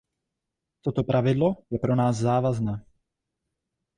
Toto pravidlo je pro nás závazné.